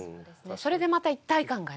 それでまた一体感がね。